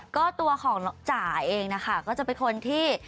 ก็ตัวของน้องจ๋าเองนะคะก็จะเป็นคนที่